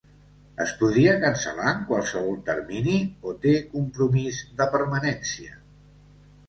Es podria cancel·lar en qualsevol termini o té compromís de permanència?